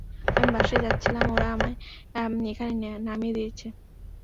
আমি বাসে যাচ্ছিলাম ওরা আমায় এখানে নামিয়ে দিছে।